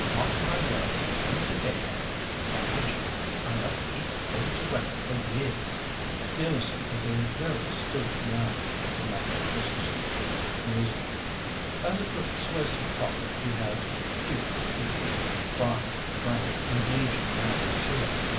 Mark my words; he's a dead man (financially) unless it's going to rain for years." "Dealerson is a very astute man," remarked Mr. Stamford, musingly. "As a persuasive talker he has few equals. Fine, frank, engaging manner too.